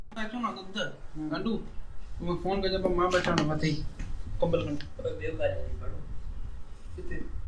اسان اخبارن جا صفحا ڪارا ڪيا، جيڪي لکيو اٿئون سو ڀت تي لکيل هو.